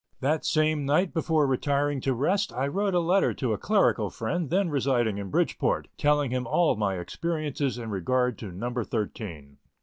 That same night before retiring to rest I wrote a letter to a clerical friend, then residing in Bridgeport, telling him all my experiences in regard to "number thirteen."